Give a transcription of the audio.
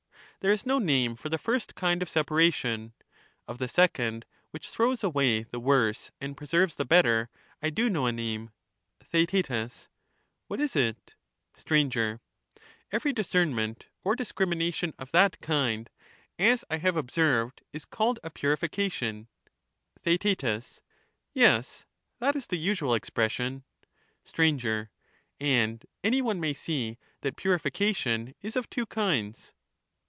There is no name for the first kind of separation ; of rates like 'be second, which throws away the worse and preserves the from like, better, I do know a name. J'i froi^the Theaet. What is it ? worse. Sir, Every discernment or discrimination of that kind, as In the latter I have observed, is called a purification, ^icd^puri Theaet Yes, that is the usual expression, fication. Str. And any one may see that purification is of two kinds.